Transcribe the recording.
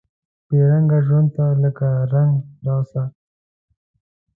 بې رنګه ژوند ته لکه رنګ راسه